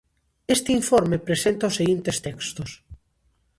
Este informe presenta os seguintes textos.